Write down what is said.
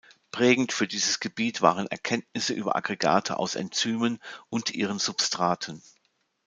Prägend für dieses Gebiet waren Erkenntnisse über Aggregate aus Enzymen und ihren Substraten.